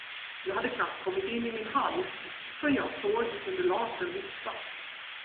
Jag hade knappt kommit in i min hall förrän jag såg undulaten lyfta.